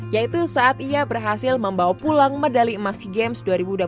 yaitu saat ia berhasil membawa pulang medali emas e games dua ribu dua puluh